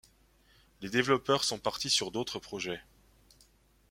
Les développeurs sont partis sur d'autres projets.